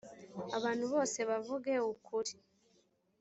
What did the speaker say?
abantu bose bavuge ukuri.